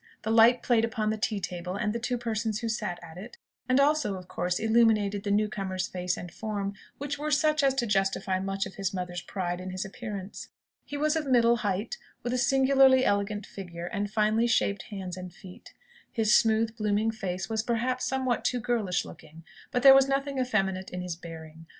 The light played upon the tea table and the two persons who sat at it; and also, of course, illuminated the new comer's face and form, which were such as to justify much of his mother's pride in his appearance. He was of middle height, with a singularly elegant figure, and finely shaped hands and feet. His smooth, blooming face was, perhaps, somewhat too girlish looking, but there was nothing effeminate in his bearing.